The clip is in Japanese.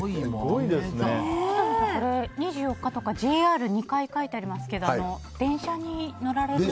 ２４日とかＪＲ、２回書いてありますけど電車に乗られるんですか？